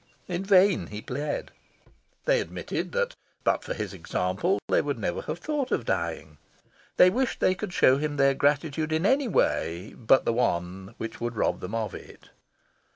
In vain he pled. They admitted that but for his example they would never have thought of dying. They wished they could show him their gratitude in any way but the one which would rob them of it.